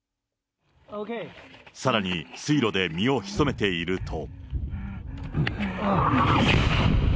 さらに水路で身を潜めていると。